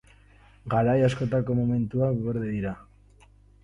Garai askotako monumentuak gorde dira.